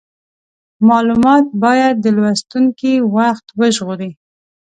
مالومات باید د لوستونکي وخت وژغوري.